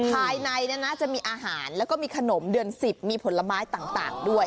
ภายในจะมีอาหารแล้วก็มีขนมเดือน๑๐มีผลไม้ต่างด้วย